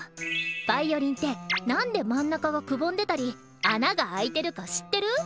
ヴァイオリンってなんで真ん中がくぼんでたり穴が開いてるか知ってる？